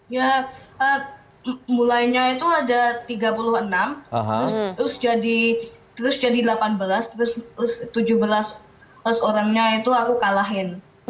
ya mulainya itu ada tiga puluh enam terus jadi delapan belas terus tujuh belas orangnya itu aku kalahin